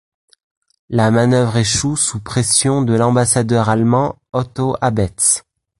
La manœuvre échoue sous pression de l'ambassadeur allemand, Otto Abetz.